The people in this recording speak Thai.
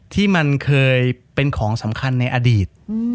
ที่มันเคยเป็นของสำคัญในอดีต